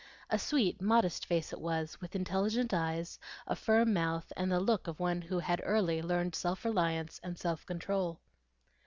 A sweet, modest face it was, with intelligent eyes, a firm mouth, and the look of one who had early learned self reliance and self control.